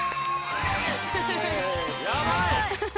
やばい！